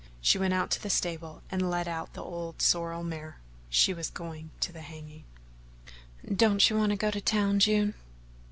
She went out to the stable and led out the old sorrel mare. She was going to the hanging. "Don't you want to go to town, June?"